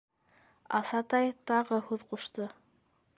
Асатай тағы һүҙ ҡушты: